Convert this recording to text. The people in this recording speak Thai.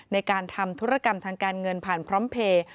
ในการทำธุรกรรมทางการเงินผ่านพร้อมเพลย์